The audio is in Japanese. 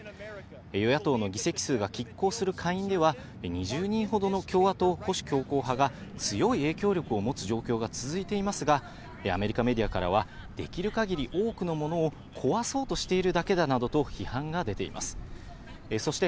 与野党の議席数が拮抗する下院では、２０人ほどの共和党・保守強硬派が、強い影響力を持つ状況が続いていますが、アメリカメディアからは、できる限り多くのものを壊そうとしているだけだなどと批判が出ています。